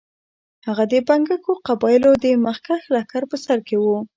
هغه د بنګښو قبایلو د مخکښ لښکر په سر کې وو.